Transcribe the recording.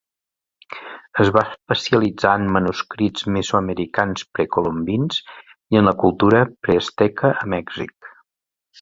Es va especialitzar en manuscrits mesoamericans precolombins i en la cultura preasteca a Mèxic.